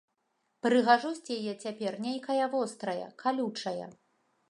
Прыгажосць яе цяпер нейкая вострая, калючая.